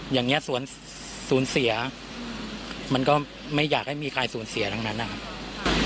อย่างนี้สูญเสียมันก็ไม่อยากให้มีใครสูญเสียทั้งนั้นนะครับ